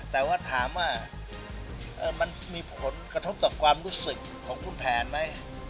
แต่ว่าถามว่ามันมีผลกระทบต่อความรู้สึกของคุณแผนไหม